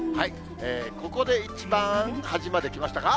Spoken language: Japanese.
ここで一番端まできましたか？